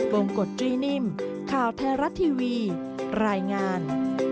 วงกฎจตรีนิ่มข่าวไทยรัฐทีวีรายงาน